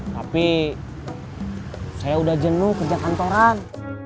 tapi saya udah jenuh kerja kantoran